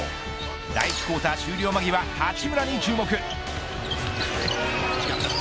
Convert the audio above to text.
第１クオーター終了間際八村に注目。